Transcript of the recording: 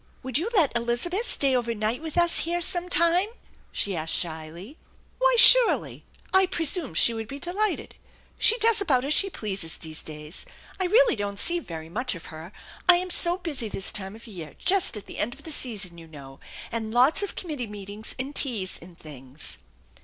"Would you let Elizabeth stay overnight with us here sometime?" she asked shyly. " Why, surely ! I presume she would be delighted. She does about as she pleases these days. I really don't see very much of her, I'm so busy this time of year, just at the end of the season, you know, and lots of committee meetings and teas and things."